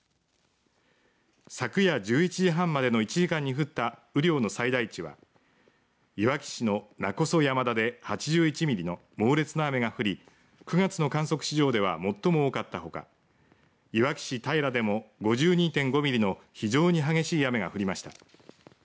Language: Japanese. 昨夜、１１時半までの１時間に降った雨量の最大値はいわき市の勿来山田で８１ミリの猛烈な雨が降り９月の観測史上では最も多かったほかいわき市平でも５２．５ミリの非常に激しい雨が降りました。